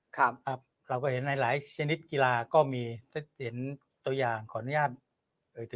เราก็เห็นในหลายชนิดกีฬาก็มีเห็นตัวอย่างขออนุญาต